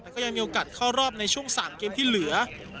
แต่ก็ยังมีโอกาสเข้ารอบในช่วง๓เกมที่เหลือ